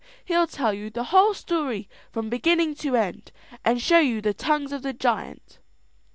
He'll tell you the whole story from beginning to end, and show you the tongues of the giant."